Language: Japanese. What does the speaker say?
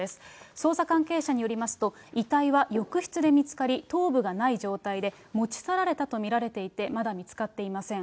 捜査関係者によりますと、遺体は浴室で見つかり、頭部がない状態で、持ち去られたと見られていて、まだ見つかっていません。